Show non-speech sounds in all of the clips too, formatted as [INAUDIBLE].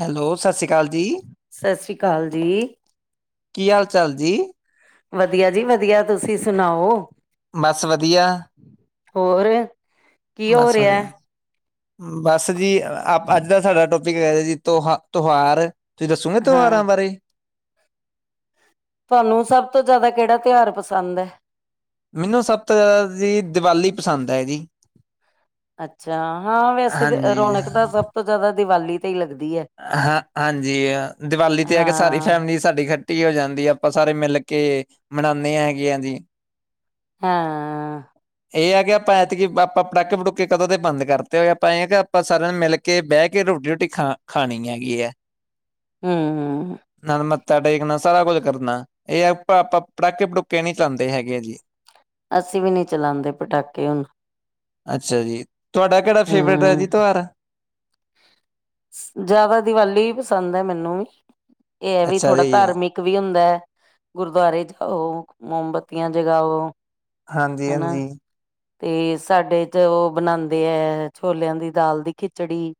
Hello! ਸਤਿ ਸ਼੍ਰੀ ਅਕਾਲ ਜੀ! ਸਤਿ ਸ੍ਰੀ ਅਕਾਲ ਜੀ ਕੀ ਹਾਲ ਚਾਲ ਜੀ। ਵਧੀਆ ਜੀ ਵਧੀਆ ਤੁਸੀਂ ਸੁਣਾਓ। ਬਸ ਵਧੀਆ ਹੋਰ ਕੀ ਹੋ ਬਸ ਰਿਹਾ ਵਧੀਆ। ਬਸ ਜੀ ਅ ਅੱਜ ਦਾ ਸਾਡਾ ਟੋਪਿਕ ਹੈ ਜੀ ਤਿਹਾ ਤਿਉਹਾਰ। ਤੁਸੀਂ ਦਸੁਗੇ ਹਾਂ ਤਿਉਹਾਰੋ ਬਾਰੇ। ਤੁਹਾਨੂੰ ਸਭ ਤੋਂ ਜ਼ਿਆਦਾ ਕਿਹੜਾ ਤਿਉਹਾਰ ਪਸੰਦ ਹੈ? ਮੈਨੂੰ ਸਭ ਤੋਂ ਜ਼ਿਆਦਾ ਜੀ ਦੀਵਾਲੀ ਪਸੰਦ ਹੈ ਜੀ। ਅੱਛਾ! ਹਾਂ! ਵੈਸੇ ਤੇ ਹਾਂਜੀ ਰੌਣਕ ਤਾਂ ਸਭ ਤੋਂ ਜ਼ਿਆਦਾ ਦੀਵਾਲੀ ਤੇ ਹੀ ਲੱਗਦੀ ਹੈ ਹਾਂ! ਹਾਂਜੀ! ਦੀਵਾਲੀ ਤੇ ਆ ਕੇ ਸਾਰੀ ਹਾਂ ਫੈਮਲੀ। ਸਾਡੀ ਖੱਟੀ ਹੋ ਜਾਂਦੀ ਆਪਾਂ ਸਾਰੇ ਮਿਲ ਕੇ ਮਨਾਉਂਦੇ ਹਾਂ ਹੈਗੇ ਆ ਜੀ। ਹਾਂ! ਇਹ ਆ ਕਿ ਆਪਾਂ ਐਤਕੀਂ ਆਪਾਂ ਪਟਾਕੇ- ਪਟੁਕੇ ਕਦੋਂ ਦੇ ਬੰਦ ਕਰਤੇ ਹੋਏ ਆਪਾਂ ਇਹ ਆ ਕਿ ਆਪਾਂ ਸਾਰਿਆਂ ਨੂੰ ਮਿਲ ਕੇ। ਮਿਲ ਕੇ ਬਹਿ ਕੇ ਰੋਟੀ- ਰੁਟੀ ਖਾ ਖਾਣੀ ਹੈਗੀ ਹੈ। ਹੂੰ! ਨਾਲ ਮੱਥਾਂ ਟੇਕਣਾ ਸਾਰਾ ਕੁਛ ਕਰਨਾ। ਇਹ ਹੈ ਆਪਾਂ-ਆਪਾਂ ਪਟਾਕੇ- ਪਟੂਕੇ ਨੀ ਚਲਾਂਦੇ ਹੈਗੇ ਆ ਜੀ। ਅਸੀਂ ਵੀ ਨਹੀਂ ਚਲਾਦੇ ਪਟਾਕੇ ਹੁਣ। ਅੱਛਾ ਜੀ, ਤੁਹਾਡਾ ਕਿਹੜਾ ਫੇਵਰੇਟ ਹੈ ਹਮ ਜੀ ਤੇ ਉਹ ਤੋਯਹਾਰ? ਜ਼ਿਆਦਾ ਦੀਵਾਲੀ ਵੀ ਪਸੰਦ ਹੈ ਮੈਨੂੰ ਵੀ, ਇਹ ਹੈ ਵੀ ਅੱਛਾ ਥੋੜਾ ਜੀ ਧਾਰਮਿਕ। ਓਵੀ ਹੁੰਦਾ ਹੈ, ਗੁਰਦੁਆਰੇ ਜਾਓ ਮੋਮਬੱਤੀਆਂ ਜਗਾਓ। ਹਨਾ ਹਾਂਜੀ-ਹਾਂਜੀ। ਤੇ ਸਾਡੇ ਚ ਉ ਬਣਾਉਂਦੇ ਹੈ ਛੋਲਿਆਂ ਦੀ ਦਾਲ ਦੀ ਖਿਚੜੀ।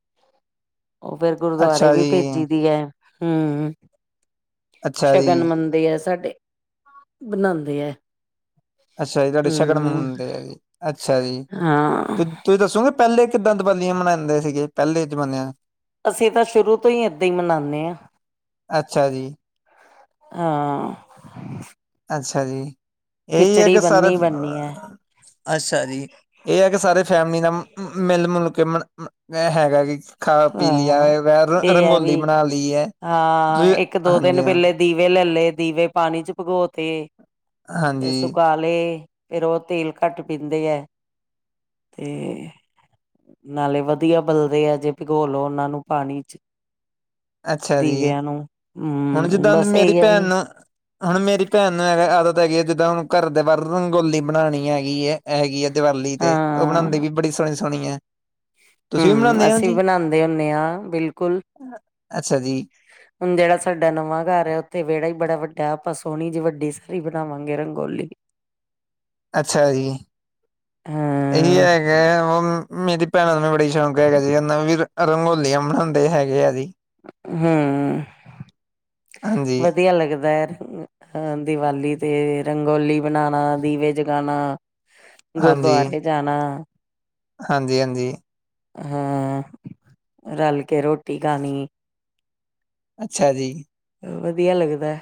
ਉ ਫਿਰ ਗੁਰਦੁਆਰੇ ਅੱਛਾ ਵੀ ਜੀ ਭੇਜੀ ਦੀ ਹੈ, ਹੂੰ। ਅੱਛਾ ਸ਼ਗਨ ਜੀ ਮੰਨਦੇ ਹੈ ਸਾਡੇ, ਬਣਾਂਦੇ ਆ। ਅੱਛਾ ਜੀ, ਤੁਹਾਡੇ ਸ਼ਗਨ ਮਨਾਂਦੇ ਆਜੀ ਅੱਛਾ ਜੀ। ਹਾਂ ਤੁਸੀਂ ਦੱਸੋਗੇ ਪਹਿਲੇ ਕਿੱਦਾਂ ਦੀਵਾਲੀਆਂ ਮਨਾਂਦੇ ਸੀਗੇ? ਪਹਿਲੇ ਜਮਾਨੇਆਂ। ਅਸੀਂ ਤਾਂ ਸ਼ੁਰੂ ਤੋਂ ਹੀ ਇਦਾਂ ਹੀ ਮਨਾਨਦੇ ਹਾਂ। ਅੱਛਾ ਜੀ। ਹਾਂ। ਅੱਛਾ ਜੀ- ਅੱਛਾ ਜੀ, ਇਹੀ ਹੈ ਖਿਚੜੀ ਕਿ ਸਾਰੇ, ਬੰਨੀ ਬਣਨੀ ਹੈ ਅੱਛਾ ਜੀ। ਇਹ ਹੈ ਕਿ ਸਾਰੇ ਫੈਮਿਲੀ ਨਾਲ ਮਿਲ-ਮੁਲ ਕੇ ਮ ਹੈਗਾ ਜੀ। ਖਾ-ਪੀ ਲਿਆ ਹਾਂ ਰ ਇਹ ਹੈ ਵੀ ਰੰਗੋਲੀ ਬਣਾ ਲਈ ਏ ਹਾਂ ਤੁਸੀ ਇੱਕ ਦੋ ਦਿਨ ਹਾਂਜੀ ਹਾਂ। ਪਹਿਲੇ ਦੀਵੇ ਲੈਲੇ ਦੀਵੇ ਪਾਣੀ ਚ ਭੀਗੋ ਤੇ, ਫਿਰ ਹਾਂਜੀ ਸੁਕਾ ਦੀਏ ਫੇਰ ਉਹ ਤੇਲ ਘੱਟ ਪੀਂਦੇ ਏ। ਤੇ, ਨਾਲੇ ਵਧੀਆ ਬਲਦੇ ਹੈਜੇ। ਭਿਗੋ ਲੋ ਉਹਨਾਂ ਨੂੰ ਪਾਣੀ ਚ ਅੱਛਾ ਜੀ, ਦੀਵਿਆਂ ਨੂੰ ਹੁਣ ਹਮ ਜਿੱਦਾਂ ਦੀ ਬਸ ਮੇਰੀ ਇਹੀ ਆ ਭੈਣ ਵੀ ਨੂੰ ਹੁਣ ਮੇਰੀ ਭੈਣ ਨੂੰ ਹੈ ਆਦਤ ਹੈਗੀ ਹੈ ਜਿੱਦਾਂ ਹੁਣ ਘਰ ਦੇ ਬਾਹਰ ਰੰਗੋਲੀ ਬਣਾਉਣੀ ਹੈਗੀ ਏ। ਹੈਗੀ ਆ ਦੀਵਾਲੀ ਤੇ, ਉਹ ਹਾਂ ਬਣਾਉਦੀ ਵੀ ਬੜੀ ਸੋਹਣੀ-ਸੋਹਣੀ ਏ। ਹੂੰ, ਅਸੀਂ ਵੀ ਬਣਾਂਦੇ ਹੁੰਦੇ ਹਾਂ ਬਿਲਕੁਲ ਅੱਛਾ ਜੀ। ਹੁਣ ਜਿਹੜਾ ਸਾਡਾ ਨਵਾਂ ਘਰ ਹੈ ਉੱਥੇ ਵਿਹੜਾ ਹੀ ਬੜਾ ਵੱ ਆਪਾਂ ਸੋਹਣੀ ਜਿਹੀ ਵੱਡੀ ਸਾਰੀ ਬਣਾਵਾਂਗੇ ਰੰਗੋਲੀ। ਅੱਛਾ ਜੀ, ਇਹੀ ਹਾਂ ਹੈਗਾ ਮੇਰੀ ਭੈਣਾਂ ਨੂੰ ਬੜੀ ਸ਼ੌਂਕ ਹੈਗਾ ਜੀ ਉਹਨਾਂ ਵੀ ਰੰਗੋਲੀਆਂ ਮਨਾਉਂਦੇ ਹੈਗੇ ਆ ਜੀ। ਹੂੰ, ਹਾਂਜੀ ਵਧੀਆ ਲੱਗਦੈ। ਅਹ ਦੀਵਾਲੀ ਤੇ ਰੰਗੋਲੀ ਬਣਾਣਾ, ਦੀਵੇ ਜਗਾਣਾ। ਗੁਰਦੁਆਰੇ ਜਾਣਾ। ਹਾਂਜੀ-ਹਾਂਜੀ। ਹਾ, ਰਲ ਕੇ ਰੋਟੀ ਖਾਣੀ। ਅੱਛਾ ਜੀ। ਵਧੀਆ ਲੱਗਦਾ।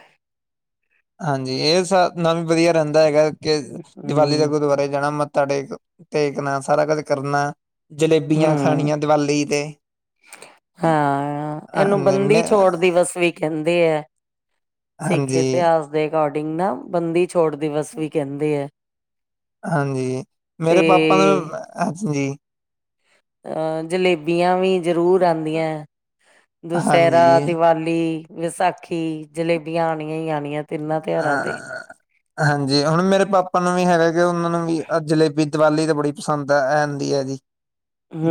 ਹਾਂਜੀ, ਇਹ ਸਬ ਨਾਲ ਵਧੀਆ ਰਹਿੰਦਾ ਹੈਗਾ ਕਿ, ਦੀਵਾਲੀ ਦਾ ਹਮ ਗੁਰਦੁਆਰੇ ਜਾਣਾ ਮੱਥਾ ਟੇਕ ਟੇਕਣਾ ਸਾਰਾ ਕੁਝ ਕਰਨਾ, ਜਲੇਬੀਆਂ ਹਮ ਖਾਣੀਆਂ ਦੀਵਾਲੀ ਤੇ। ਹਾਂ, ਇਹਨੂੰ ਹਾਂਜੀ ਬੰਦੀ ਮੈਂ ਛੋੜ ਦੀਵਸ ਵੀ ਕਹਿੰਦੇ ਹੈ, ਸਿੱਖ ਹਾਂਜੀ ਇਤਿਹਾਸ ਦੇ ਅਕੋਡਿੰਗ ਨਾ ਬੰਦੀ ਛੋੜ ਦਿਵਸ ਵੀ ਕਹਿੰਦੇ ਹੈ, ਹਾਂਜੀ ਤੇ ਮੇਰੇ ਪਾਪਾ ਨੂੰ ਹਾਂਜੀ। ਜਲੇਬੀਆਂ ਵੀ ਜ਼ਰੂਰ ਆਦੀਆਂ, ਦਿਸ਼ੈਹਿਰਾ, ਹਾਂਜੀ ਦਿਵਾਲੀ ਵਿਸਾਖੀ ਜਲੇਬੀਆਂ ਆਣੀਆਂ ਹੀ ਆਣੀਆਂ। ਤਿੰਨਾਂ ਤਿਉਹਾਰਾਂ ਹਾਂ। ਤੇ ਹਾਂਜੀ। ਹੁਣ ਮੇਰੇ ਪਾਪਾ ਨੂੰ ਵੀ ਹੈਗਾ ਕਿ ਉਹਨਾਂ ਨੂੰ ਵੀ ਜਲੇਬੀ ਦੀਵਾਲੀ ਤੇ ਬੜੀ ਪਸੰਦ ਐ ਆਂਦੀ ਐਗੀ।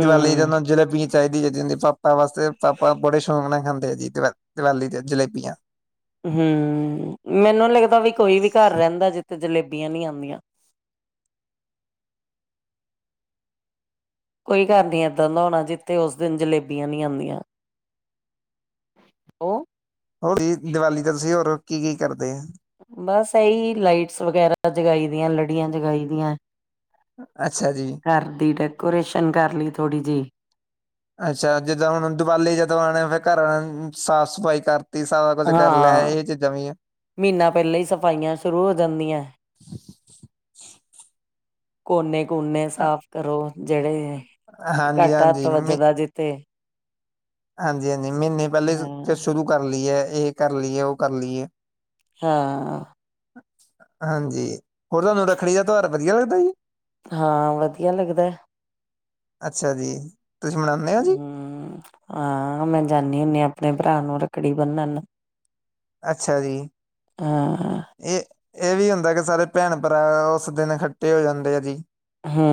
ਦੀਵਾਲੀ ਤੇ ਉਹਨਾਂ ਨੂੰ ਜਲੇਬੀ ਈ ਚਾਹੀਦੀ ਚਾਹੀਦੀ। ਪਾਪਾ ਬਸ- ਤੇ ਪਾਪਾ ਬੜੇ ਸ਼ੌਂਕ ਨਾਲ ਖਾਂਦੇ ਆ ਜੀ ਦੀਵ-ਦਿਵਾਲੀ ਤੇ ਜਲੇਬੀਆਂ। ਹੂੰ। ਮੈਨੂੰ ਲੱਗਦਾ ਵੀ ਕੋਈ ਵੀ ਘਰ ਰਹਿੰਦਾ ਜਿੱਥੇ ਜਲੇਬੀਆਂ ਨੀ ਆਂਦੀਆਂ? ਕੋਈ ਘਰ ਨੀ ਏਦਾਂ ਦਾ ਹੋਣਾ ਜਿੱਥੇ ਉਸ ਦਿਨ ਜਲੇਬੀਆਂ ਨੀ ਆਂਦੀਆਂ। ਓ ਹੋਰ ਜੀ ਦੀਵਾਲੀ ਤੇ ਤੁਸੀਂ ਹੋਰ ਕੀ-ਕੀ ਕਰਦੇ ਆ? ਬਸ ਇਹੀ ਲਾਈਟਸ ਵਗੈਰਾ ਜਗਾਈ ਦੀਆਂ, ਲੜੀਆਂ ਜਗਾਈ ਦੀਆਂ। ਅੱਛਾ ਜੀ। ਘਰ ਦੀ ਡੈਕੋਰੇਸ਼ਨ ਕਰ ਲਈ ਥੋੜ੍ਹੀ ਜਿਹੀ। ਅੱਛਾ। ਜਿੱਦਾਂ ਹੁਣ ਦੀਵਾਲੀ ਜਦੋਂ ਆਨੇ ਫਿਰ ਘਰ ਆ ਸਾਫ਼ ਸਫ਼ਾਈ ਕਰ ਰੀਸਾ ਦਾ ਕੁਝ ਕਰ ਲੈ ਹਾਂ ਇਹ ਚੀਜ਼ਾਂ ਵੀ ਆ। ਮਹੀਨਾ ਪਹਿਲਾਂ ਈ ਸਫਾਈਆਂ ਸ਼ੁਰੂ ਹੋ ਜਾਂਦੀਐ। ਕੋਨੇ-ਕੋਨੇ ਸਾਫ ਕਰੋ, ਜਿਹੜੇ ਘੱਟ ਹੱਥ ਹਾਂਜੀ-ਹਾਂਜੀ ਮ ਵੱਜਦਾ ਜਿੱ ਤੇ ਹਾਂਜੀ-ਹਾਂਜੀ। ਮਹੀਨੇ ਪਹਿਲੇ ਫੇਰ ਸ਼ੁਰੂ ਕਰ ਲਈਏ, ਇਹ ਕਰ ਲਈਏ, ਓ ਕਰ ਲਈਏ। ਹਾਂ। ਹਾਂਜੀ। ਹੋਰ ਤੁਹਾਨੂੰ ਰੱਖੜੀ ਦਾ ਤਿਉਹਾਰ ਵਧੀਆ ਲੱਗਦਾ ਜੀ। ਹਾਂ, ਵਧੀਆ ਲੱਗਦੈ। ਅੱਛਾ ਜੀ। ਤੁਸੀਂ ਮਨਾਉਂਦੇ ਹੋ ਜੀ? ਹਮ, ਹਾਂ। ਮੈਂ ਜਾਂਨੀ ਹੁੰਨੀ ਆ, ਆਪਣੇ ਭਰਾ ਨੂੰ ਰੱਖੜੀ ਬੰਨਣ। ਅੱਛਾ ਜੀ। ਹਾਂ ਇਹ-ਇਹ ਵੀ ਹੁੰਦਾ ਕਿ ਸਾਰੇ ਭੈਣ ਭਰਾ ਉਸ ਦਿਨ ਇਕੱਠੇ ਹੋ ਜਾਂਦੇ ਆ ਜੀ। ਹੂੰ।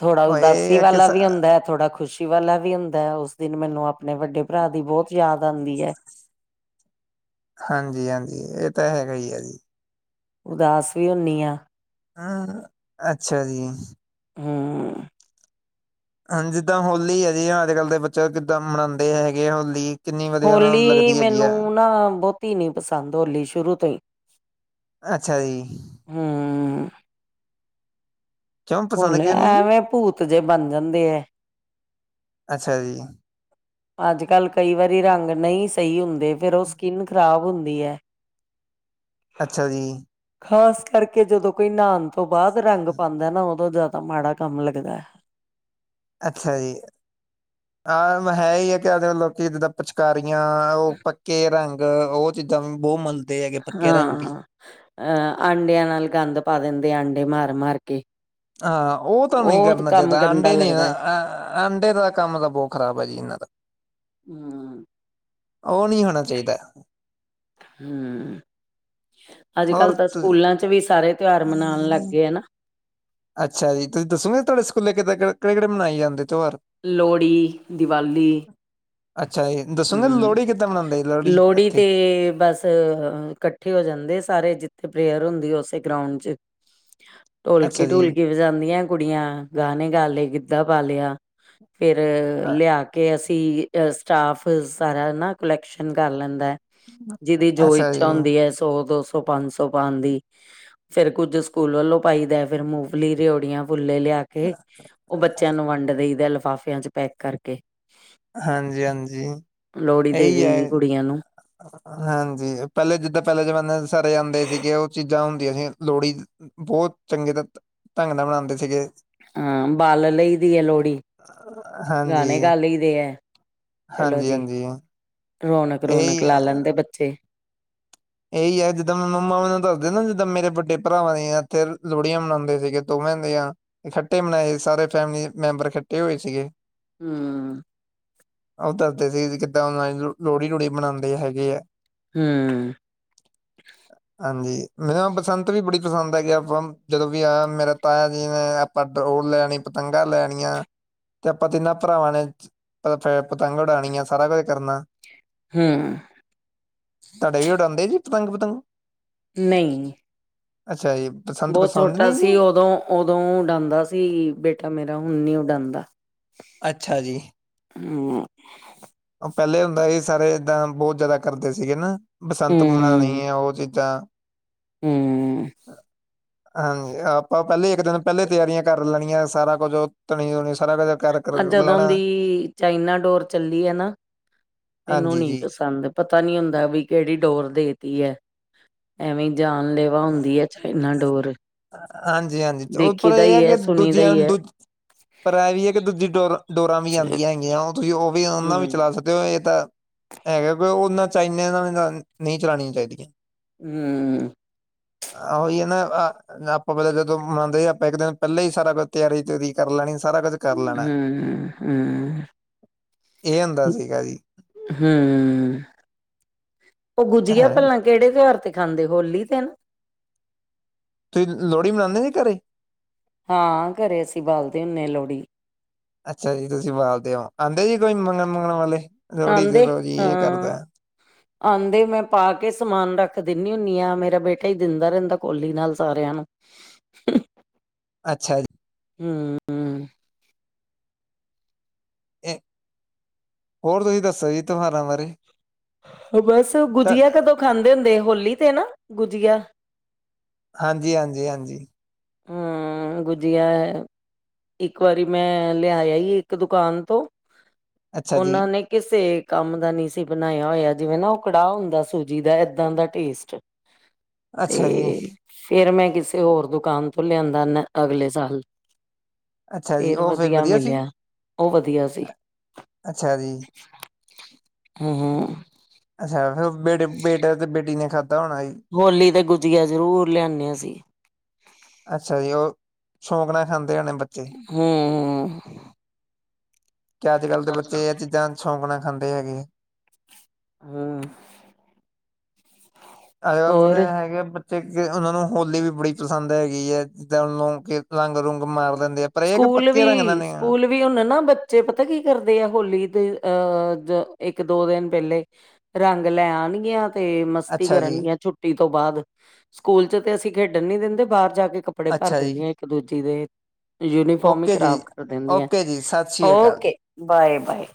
ਥੋੜਾ ਉਹ ਇਹ ਉਦਾਸੀ ਆ ਕਿ ਵਾਲਾ ਵੀ ਹੁੰਦੈ, ਥੋੜਾ ਖੁਸ਼ੀ ਵਾਲਾ ਵੀ ਹੁੰਦਾ ਐ, ਉਸ ਦਿਨ ਮੈਨੂੰ ਆਪਣੇ ਵੱਡੇ ਭਰਾ ਦੀ ਬਹੁਤ ਯਾਦ ਆਉਂਦੀ ਐ। ਹਾਂਜੀ-ਹਾਂਜੀ। ਇਹ ਤਾਂ ਹੈਗਾ ਈ ਐ ਜੀ। ਉਦਾਸ ਵੀ ਹੁੰਨੀ ਆ। ਆਹ। ਅੱਛਾ ਜੀ। ਹੂੰ। ਹਾਂਜੀ। ਜਿੱਦਾਂ ਹੋਲੀ ਹੈ ਜੀ। ਅੱਜ-ਕੱਲ੍ਹ ਦੇ ਬੱਚੇ ਕਿੱਦਾਂ ਮਨਾਉਂਦੇ ਹੈਗੇ ਐ ਹੋਲੀ ਕਿੰਨੀ ਵਧੀਆ ਉਹਨਾਂ ਨੂੰ ਹੋਲੀ ਲੱਗਦੀ ਹੈਗੀ ਆ ਮੈਨੂੰ ਨਾ ਬਹੁਤੀ ਨੀ ਪਸੰਦ ਹੋਲੀ ਸ਼ੁਰੂ ਤੋਂ ਈ। ਅੱਛਾ ਜੀ। ਹਮ। ਕਿਉਂ ਪਸੰਦ ਹੋਲੀ ਕਿਉਂ ਨੀ ਜੀ ਐਵੇਂ ਭੂਤ ਜੇ ਬਣ ਜਾਂਦੇ ਐ। ਅੱਛਾ ਜੀ। ਅੱਜ-ਕਲ ਕਈ ਵਾਰੀ ਰੰਗ ਨਈ ਸਈ ਹੁੰਦੇ, ਫੇਰ ਉਹ ਸਕਿੰਨ ਖ਼ਰਾਬ ਹੁੰਦੀ ਐ। ਅੱਛਾ ਜੀ। ਖ਼ਾਸ ਕਰਕੇ ਜਦੋਂ ਕੋਈ ਨਾਣ ਤੋਂ ਬਾਅਦ ਰੰਗ ਪਾਂਦਾ ਨਾ ਓ ਬਹੁਤ ਜ਼ਿਆਦਾ ਮਾੜਾ ਕੰਮ ਲੱਗਦਾ ਐ। ਅੱਛਾ ਜੀ। ਹਾਂ ਹੈ ਹੀ ਹੈ। ਅੱਜ ਕਲ ਲੋਕੀ ਜਿਦਾ ਪਿਚਕਾਰੀਆਂ, ਉਹ ਪੱਕੇ ਰੰਗ ਉਹ ਚੀਜ਼ਾਂ ਵੀ ਬਹੁ ਮੰਨ ਹਾਂ। ਅਹ ਆਂਡਿਆਂ ਨਾਲ ਗੰਦ ਪਾ ਦਿੰਦੇ ਆ। ਆਂਡੇ ਮਾਰ-ਮਾਰ ਕੇ। ਹਾਂ, ਉਹ ਤਾਂ ਨਹੀਂ ਕਰਨਾ ਕੰਮ ਚਾਹੀਦਾ। ਗੰਦਾ ਆਂਡੇ ਨੀ ਲੱਗਦਾ ਐ ਆਂਡੇ ਦਾ ਕੰਮ ਤਾਂ ਬਹੁਤ ਖ਼ਰਾਬ ਐ ਜੀ ਇਹਨਾਂ ਦਾ। ਹੂੰ। ਉਹ ਨੀ ਹੋਣਾ ਚਾਹੀਦਾ। ਹਮ, ਅੱਜ- ਹੋਰ ਕੱਲ ਤਾਂ ਤੁ ਸਕੂਲਾਂ 'ਚ ਵੀ ਸਾਰੇ ਤਿਉਹਾਰ ਮਨਾਉਣ ਲੱਗ ਗਏ ਨਾ। ਅੱਛਾ ਜੀ, ਤੁਸੀਂ ਦੱਸੋਗੇ ਤਾਡੇ ਸਕੂਲੇ ਕਿਦਾ ਕਿਹੜੇ ਕਿਹੜੇ, ਮਨਾਏ ਜਾਂਦੇ ਤਿਉਹਾਰ? ਲੋੜੀ, ਦੀਵਾਲੀ ਅੱਛਾ ਜੀ, ਦੱਸੋ ਨਾ ਹਮ, ਲੋਹੜੀ ਕਿੱਦਾਂ ਮਨਾਉਂਦੇ ਜੀ ਲੋਹੜੀ ਉੱਥੇ? ਤੇ ਬਸ ਅ ਇਕੱਠੇ ਹੋ ਜਾਂਦੇ, ਸਾਰੇ ਜਿੱਥੇ ਪ੍ਰੇਅਰ ਹੁੰਦੀ ਉਸੇ ਗਰਾਉਂਡ 'ਚ ਅੱਛਾ ਢੋਲਕੀ- ਜੀ, ਢੋਲਕੀ ਵਜਾਦੀਆਂ ਕੁੜੀਆਂ, ਗਾਣੇ ਗਾ ਲਏ ਗਿੱਧਾ ਪਾ ਲਿਆ। ਫੇਰ ਅ ਲਿਆ ਕੇ ਅਸੀਂ ਅਹ ਸਟਾਫ ਸਾਰਾ ਨਾ, ਕੁਲੈਕਸ਼ਨ ਕਰ ਲੈਂਦਾ। ਜਿਹਦੀ ਜੋ ਅੱਛਾ ਇੱਛਾ ਜੀ, ਹੁੰਦੀ ਹੈ ਸੋ ਦੋ, ਸੋ ਉਹ ਪੰਜ ਸੌ ਪਾਂਨਦੀ, ਫਿਰ ਕੁੱਝ ਸਕੂਲ ਵੱਲੋਂ ਪਾਈਦਾ, ਫੇਰ ਮੂੰਫ਼ਲੀ, ਰੇੜੀਆਂ ਫੁੱਲੇ ਲਿਆ ਕੇ ਉਹ ਬੱਚਿਆਂ ਨੂੰ ਵੰਡ ਦੇਈਦਾ, ਲਿਫਾਫਿਆਂ 'ਚ ਪੈਕ ਕਰਕੇ। ਹਾਂਜੀ- ਹਾਂਜੀ ਲੋਹੜੀ ਦੇ ਇਹੀ ਦੇਈ ਦੀ ਹੈ। ਕੁੜੀਆਂ ਨੂੰ। ਹਾਂਜੀ ਪਹਿਲੇ ਜਿੱਦਾਂ ਪਹਿਲੇ ਜਮਾਨੇ ਸਾਰੇ ਆਂਦੇ ਸੀਗੇ ਉਹ ਚੀਜ਼ਾਂ ਹੁਣ ਕਿ ਅਸੀਂ ਲੋਹੜੀ ਬਹੁਤ ਚੰਗੇ ਢੰਗ ਨਾਲ ਮਨਾਉਂਦੇ ਸੀਗੇ। ਹਾਂ ਬਾਲ ਲਈਦੀ ਹੈ ਲੋਹੜੀ, ਹਾਂਜੀ, ਗਾਣੇ ਗਾ ਲਈ ਦੇ ਹੈ। ਚਲੋ ਜੀ, ਹਾਂਜੀ-ਹਾਂਜੀ, ਰੌਣਕ ਰੌਣਕ ਇਹੀ ਲਾ ਲੈਂਦੇ ਬੱਚੇ‌। ਇਹੀ ਹੈ ਜਿੱਦਾਂ ਮੈਂ ਮੰਮਾ ਮੈਨੂੰ ਦੱਸਦੇ ਨਾ ਜਿੱਦਾਂ ਮੇਰੇ ਵੱਡੇ ਭਰਾਵਾਂ ਦੀ ਇੱਥੇ ਲੋਹੜੀਆਂ ਮਨਾਉਂਦੇ ਸੀਗੇ ਤੋਵੇਂ ਦੀਆਂ ਇਕੱਠੇ ਮਨਾਏ ਸਾਰੇ ਫੈਮਿਲੀ ਮੈਂਬਰ ਕੱਠੇ ਹੋਏ ਸੀਗੇ। ਹਮ। ਉਹ ਦੱਸਦੇ ਸੀ ਕਿੱਦਾਂ [UNINTELLIGIBLE] ਲੋਹੜੀ ਲੂੜੀ ਮਨਾਉਂਦੇ ਹੈਗੇ ਹੈ। ਹਮ। ਹਾਂਜੀ, ਮੈਨੂੰ ਬਸੰਤ ਵੀ ਬੜੀ ਪਸੰਦ ਹੈਗੀ ਆਪਾਂ ਜਦੋਂ ਵੀ ਆਇਆ ਮੇਰਾ ਤਾਇਆ ਜੀ ਨੇ ਪਡਰੋਲ ਲੈਨੀ, ਪਤੰਗਾਂ ਲੈਣੀਆਂ ਤੇ ਆਪਾਂ ਤਿੰਨਾਂ ਭਰਾਵਾਂ ਨੇ ਫੇਰ ਪਤੰਗ ਉਡਾਉਣੀਆ ਸਾਰਾ ਕੁਝ ਕਰਨਾ। ਹਮ। ਤਾਡੇ ਵੀ ਉਡਾਉਂਦੇ ਜੀ, ਪਤੰਗ ਪਤੰਗ? ਨਹੀਂ ਅੱਛਾ ਜੀ। ਬਸੰਤ ਬਹੁਤ ਪਸੰਦ ਛੋਟਾ ਨਹੀਂ ਜੀ ਸੀ ਉਦੋਂ, ਉਦੋਂ ਉਡਾਉਂਦਾ ਸੀ ਬੇਟਾ ਮੇਰਾ, ਹੁਣ ਨੀ ਉਡਾਉਂਦਾ। ਅੱਛਾ ਜੀ। ਹਮ ਹਾਂ। ਉਹ ਪਹਿਲੇ ਹੁੰਦਾ ਸੀ, ਸਾਰੇ ਐਦਾਂ ਬਹੁਤ ਜ਼ਿਆਦਾ ਕਰਦੇ ਸੀਗੇ ਨਾ। ਬਸੰਤ ਹਮ ਮਨਾਉਣੀ, ਉਹ ਚੀਜ਼ਾਂ ਹਮ ਹਾਂਜੀ ਆਪਾਂ ਪਹਿਲੇ ਇੱਕ ਦਿਨ ਪਹਿਲੇ ਤਿਆਰੀਆਂ ਕਰ ਲੈਨੀਆਂ, ਸਾਰਾ ਕੁੱਝ ਉਹ ਧਨੀ ਧੁਨੀ ਸਾਰਾ ਕੁਝ ਕਰ ਕਰ ਆ ਜਦੋਂ ਲੈਣਾ ਦੀ ਚਾਈਨਾ ਡੋਰ ਚੱਲੀ ਐ ਨਾ, ਮੈਨੂੰ ਹਾਂਜੀ ਨੀ ਜੀ ਪਸੰਦ। ਪਤਾ ਨੀ ਹੁੰਦਾ ਵੀ ਕਿਹੜੀ ਡੋਰ ਦੇਤੀ ਐ, ਐਵੇਂ ਜਾਣ ਲ ਉਹ ਹੁੰਦੀ ਹੈ ਚਾਈਨਾ ਡੋਰ। ਹਾਂਜੀ -ਹਾਂਜੀ ਉ ਦੇਖੀ ਪਰ ਦਾ ਐਹ ਹੈ ਹੀ ਕਿ ਸੁਣੀ ਦਾ ਦੂਜੀਆਂ ਹੀ ਹੈ ਦੂਜ ਪਰ ਐਹ ਵੀ ਹੈ ਕਿ ਦੂਜੀ ਡੋਰ ਡੋਰਾਂ ਵੀ ਆਂਦੀਆਂ ਹੈਗੀਆਂ ਉਹ ਤੁਸੀਂ ਉਹ ਵੀ ਉਹਨਾਂ ਵੀ ਹਮ ਚਲਾ ਸਕ। ਤੇ ਇਹ ਤਾਂ ਹੈਗਾ ਕਿ ਉਹਨਾਂ ਚਾਈਨਾ ਚਾਈਨ ਨਹੀਂ ਚਲਾਣੀਆਂ ਚਾਹੀਦੀਆਂ। ਹਮਮ। ਆਹ ਉਹੀ ਨਾ ਆਹ ਨਾ ਆਪਾਂ ਜਦੋਂ ਮਨਾਉਂਦੇ ਸੀ ਆਪਾਂ ਇੱਕ ਦਿਨ ਪਹਿਲਾਂ ਹੀ ਸਾਰਾ ਕੁੱਝ ਤਿਆਰੀ ਤਿਉਰੀ ਕਰ ਲੈਣੀ ਸਾਰਾ ਕੁੱਛ ਹਮ ਹਮ। ਇਹ ਹੁੰਦਾ [UNINTELLIGIBLE] ਸੀਗਾ ਜੀ ਹਮ, ਉਹ ਗੁੱਝ ਗਿਆ ਹਾਂ ਪਹਿਲਾਂ ਕਿਹੜੇ ਤਿਉਹਾਰ ਤੇ ਖਾਂਦੇ, ਹੋਲੀ ਤੇ ਨਾ ਤੁਹੀਂ ਲੋਹੜੀ ਮਨਾਂਦੇ ਜੀ ਘਰੇ। ਹਾਂ ਘਰੇ ਅਸੀਂ ਬਾਲਦੇ ਹੁੰਨੇ ਲੋਹੜੀ। ਅੱਛਾ ਜੀ ਤੁਸੀਂ ਬਾਲਦੇ ਔ, ਆਂਦੇ ਜੀ ਕੋਈ ਮੰਗਣ ਮੁੰਗਣ ਵਾਲੇ ਲੋਹੜੀ ਆਂਦੇ ਦੇਦੋ ਜੀ ਏ ਕਰਦਾ ਹਾਂ। [INAUDIBLE] ਆਂਦੇ ਮੈਂ ਪਾ ਕੇ ਸਮਾਨ ਰੱਖ ਦਿੰਦੀ ਹੁੰਨੀ ਆ, ਮੇਰਾ ਬੇਟਾ ਈ ਦਿੰਦਾਂ ਰਹਿੰਦਾ ਕੋਲੀ ਨਾਲ ਸਾਰਿਆਂ ਨੂੰ ਅੱਛਾ ਜੀ। ਹੂੰ। ਏ, ਹੋਰ ਤੁਸੀਂ ਦੱਸੋ ਜੀ ਤਿਉਹਾਰਾਂ ਬਾਰੇ। ਬਸ ਤਾਂ- ਗੁਜੀਆ ਕਦੋਂ ਖਾਂਦੇ ਹੁੰਦੇ, ਹੋਲੀ ਤੇ ਨਾ ਗੁਜੀਆ ਹਾਂਜੀ -ਹਾਂਜੀ- ਹਾਂਜੀ। ਹੂੰ ਗੁਜੀਆ ਐ। ਇੱਕ ਵਾਰੀ ਮੈਂ ਲ਼ਿਆ ਆਈ ਇੱਕ ਦੁਕਾਨ ਤੋਂ ਅੱਛਾ ਜੀ ਉਹਨਾਂ ਨੇ ਕਿਸੇ ਕੰਮ ਦਾ ਨੀ ਸੀ ਬਣਾਇਆ ਹੋਇਆ, ਜਿਵੇਂ ਨਾ ਉਹ ਕੜਾਹ ਹੁੰਦਾ ਸੂਜੀ ਦਾ ਏਦਾਂ ਦਾ ਟੇਸਟ [INAUDIBLE] ਅੱਛਾ ਜੀ ਤੇ ਫੇਰ ਮੈਂ ਕਿਸੇ ਹੋਰ ਦੁਕਾਨ ਤੋਂ ਲਿਆਂਦਾ ਨ ਅਗਲੇ ਸਾਲ ਅੱਛਾ ਜੀ, ਫੇਰ ਉਹ ਵਧੀਆਂ ਵਧੀਆ ਸੀ? ਮਿਲਿਆਂ। ਓ ਵਧੀਆ ਸੀ, ਅੱਛਾ ਜੀ, ਹੂੰ। ਅੱਛਾ ਫਿਰ ਉਹ ਬੇਟੇ -ਬੇਟੇ ਤੇ ਬੇਟੀ ਨੇ ਖਾਂਦਾ ਹੋਣਾ ਜੀ। ਹੋਲੀ ਤੇ ਗੁਜੀਆ ਜ਼ਰੂਰ ਲਿਆਨੇ‌ ਆ ਅਸੀ। ਅੱਛਾ ਜੀ, ਉਹ ਸ਼ੌਕ ਨਾਲ ਖਾਂਦੇ ਹੋਣੇ ਬੱਚ ਹੂੰ। ਕਿ ਅੱਜ ਕੱਲ ਦੇ ਹੂੰ ਬੱਚੇ ਐਹ ਚੀਜ਼ਾਂ ਸ਼ੌਕ ਨਾਲ ਖਾਂਦੇ ਹੈਗੇ। ਹੂੰ। ਅੱਜ ਕੱਲ ਦੇ ਹੋਰ ਹੈਗੇ ਬੱ ਤੇ ਉਹਨਾ ਨੂੰ ਹੋਲੀ ਵੀ ਬੜੀ ਪਸੰਦ ਹੈਗੀ ਐਂ, ਜਿੱਦਾਂ ਉਹ ਨੂੰ ਰੰਗ ਰੁਗ ਮਾਰ ਲੈਂਦੇ ਆ। ਪਰ ਇਹ ਕਿ ਸਕੂਲ ਪੱਕੇ ਰੰਗ ਨਾਲ ਵੀ ਨੇ, ਸਕੂਲ ਵੀ ਹੁਣ ਨਾ ਬੱਚੇ ਪਤਾ ਕੀ ਕਰਦੇ ਆ, ਹੋਲੀ ਦੇ ਅਹ ਇੱਕ ਦੋ ਦਿਨ ਪਹਿਲੇ। ਰੰਗ ਲੈ ਆਣਗੀਆਂ ਤੇ ਮਸਤੀ ਅੱਛਾ ਜੀ। ਕਰਨਗੀਆਂ ਛੁੱਟੀ ਤੋਂ ਬਾਅਦ। ਸਕੂਲ ਚ ਤੇ ਅਸੀਂ ਖੇਡਣ ਨੀ ਦਿੰਦੇ, ਬਾਹਰ ਜਾ ਕੇ ਕੱਪੜੇ ਭਰ ਅੱਛਾ ਜੀ, ਦਿੰਦੀਆਂ ਇੱਕ- ਦੂਜੀ ਦੇ। ਯੂਨੀਫਾਰਮ ਹੀ ਓਕੇ ਜੀ, ਖ਼ਰਾਬ ਕਰ ਦਿੰਦੀਆਂ, ਓਕੇ ਜੀ, ਸਤਿ ਸ਼੍ਰੀ ਅਕਾਲ ਜੀ। Okay bye- bye.